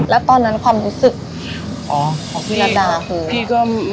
แล้วตอนนั้นความรู้สึกพี่รัดดาคือ